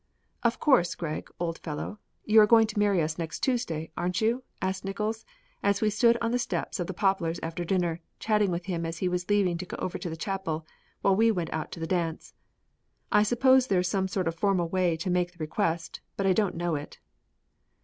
"Of course, Greg, old fellow, you are going to marry us next Tuesday, aren't you?" asked Nickols, as we stood on the steps of the Poplars after dinner, chatting with him as he was leaving to go over to the chapel while we went out to the dance. "I suppose there is some sort of formal way to make the request, but I don't know it."